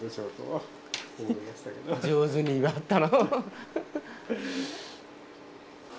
上手になったの。